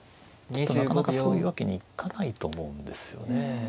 なかなかそういうわけにいかないと思うんですよね。